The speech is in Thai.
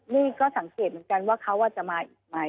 นี่ก็สังเกตเหมือนกันว่าเขาจะมาอีกไหม